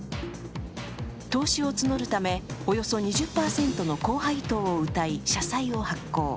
投資を募るため、およそ２０％の高配当をうたい、社債を発行。